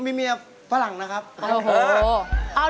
ไม่เสียใจนะ